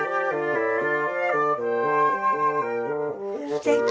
すてき。